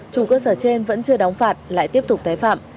chủ cơ sở trên vẫn chưa đóng phạt lại tiếp tục tái phạm